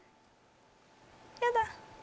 やだ。